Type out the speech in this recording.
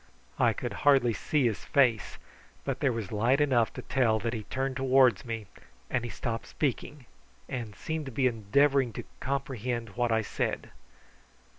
I could hardly see his face, but there was light enough to tell that he turned towards me, and he stopped speaking, and seemed to be endeavouring to comprehend what I said.